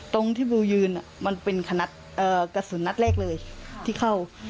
ตรงที่บูยืนมันเป็นขนาดกระสุนนัดแรกเลยที่เข้า